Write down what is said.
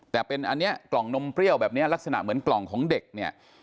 แต่เป็นอันนี้กล่องนมเปรี้ยวแบบนี้ลักษณะเหมือนกล่องของเด็กเนี่ย